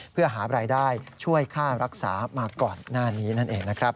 เพื่อหาบรายได้ช่วยค่ารักษามาก่อนหน้านี้นั่นเองนะครับ